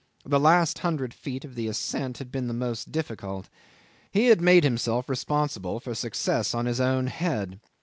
The last hundred feet of the ascent had been the most difficult. He had made himself responsible for success on his own head.